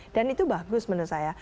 dan itu bagus menurut saya